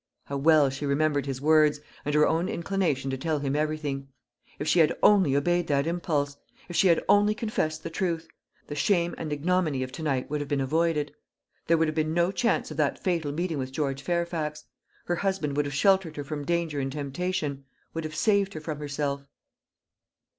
How well she remembered his words, and her own inclination to tell him everything! If she had only obeyed that impulse if she had only confessed the truth the shame and ignominy of to night would have been avoided. There would have been no chance of that fatal meeting with George Fairfax; her husband would have sheltered her from danger and temptation would have saved her from herself.